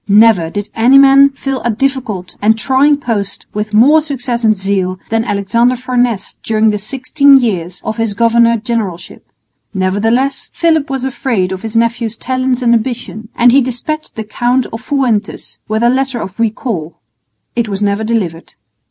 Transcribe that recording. Never did any man fill a difficult and trying post with more success and zeal than Alexander Farnese during the sixteen years of his governor generalship. Nevertheless Philip was afraid of his nephew's talents and ambition, and he despatched the Count of Fuentes with a letter of recall. It was never delivered.